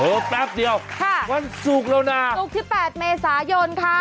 โอ้แป๊บเดียวค่ะวันสุกแล้วน่ะสุกที่แปดเมษายนค่ะ